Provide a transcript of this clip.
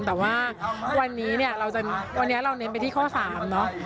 แต่ว่าวันนี้เราเน้นไปที่ข้อ๓เนอะ